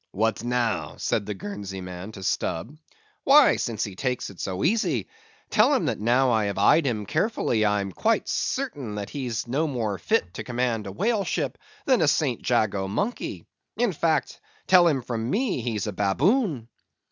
"What now?" said the Guernsey man to Stubb. "Why, since he takes it so easy, tell him that now I have eyed him carefully, I'm quite certain that he's no more fit to command a whale ship than a St. Jago monkey. In fact, tell him from me he's a baboon."